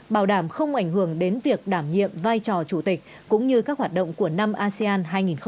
bảo đảm không ảnh hưởng đến việc đảm nhiệm vai trò chủ tịch cũng như các hoạt động của năm asean hai nghìn hai mươi